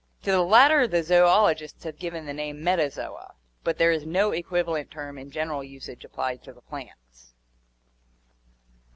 To the latter the zoologists have given the name Metazoa (Gr. fierd, after, and £&op, animal), but there is no equivalent term in general usage applied to the plants.